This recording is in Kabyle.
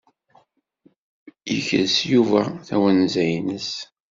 Yekres Yuba tawenza-nnes.